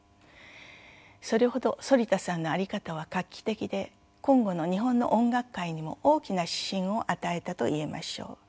それほど反田さんのあり方は画期的で今後の日本の音楽界にも大きな指針を与えたといえましょう。